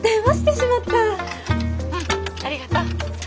ありがとう。